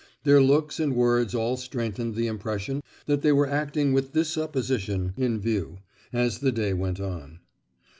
Their looks and words all strengthened the impression that they were acting with this supposition in view, as the day went on.